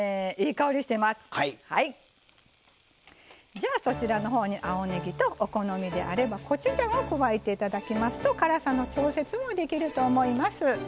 じゃあそちらの方に青ねぎとお好みであればコチュジャンを加えて頂きますと辛さの調節もできると思います。